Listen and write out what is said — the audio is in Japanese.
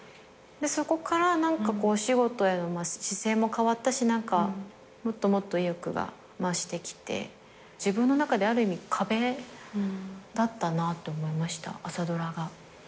そこからお仕事への姿勢も変わったしもっともっと意欲が増してきて自分の中である意味壁だったなと思いました朝ドラが。